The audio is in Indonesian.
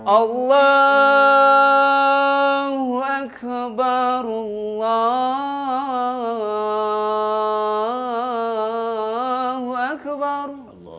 allahu akbar allahu akbar